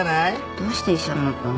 どうして医者になったの？